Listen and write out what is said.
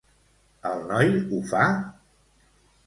El noi ho fa?